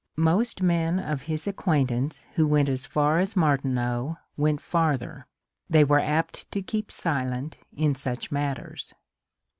Most men of his acquaintance who went as far as Martineau went farther ; they were apt to keep silent in such matters.